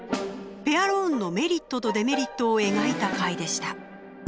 ペアローンのメリットとデメリットを描いた回でした。